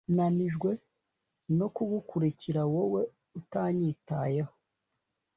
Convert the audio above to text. Nanijwe no kugukurikira wowe utanyitayeho